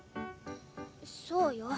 そうよ。